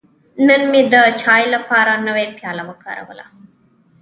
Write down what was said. نن مې د چای لپاره نوی پیاله وکاروله.